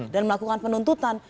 dan melakukan penuntutan